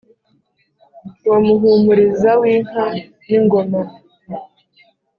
Wa Muhumuriza w’inka n’ingoma,